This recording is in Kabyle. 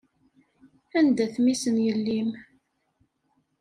Anda-t mmi-s n yelli-m?